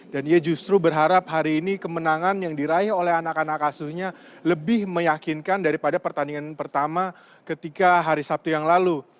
dan dia justru berharap hari ini kemenangan yang diraih oleh anak anak asuhnya lebih meyakinkan daripada pertandingan pertama ketika hari sabtu yang lalu